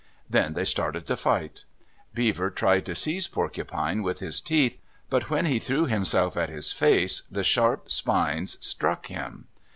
Then they started to fight. Beaver tried to seize Porcupine with his teeth, but when he threw himself at his face, the sharp spines struck him.